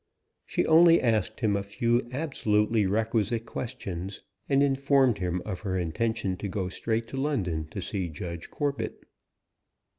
She only asked him a few absolutely requisite questions; and informed him of her intention to go straight to London to see Judge Corbet.